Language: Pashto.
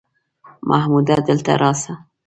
محموده دلته راسه!